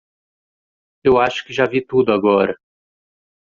Eu acho que já vi tudo agora.